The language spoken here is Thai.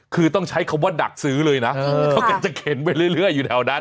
คือต้องใช้คำว่าดักซื้อเลยนะเขาก็จะเข็นไปเรื่อยอยู่แถวนั้น